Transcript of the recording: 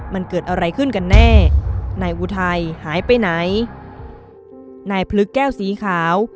มันเกิดอะไรขึ้นกันแน่นายอุทัยหายไปไหนนายพลึกแก้วสีขาว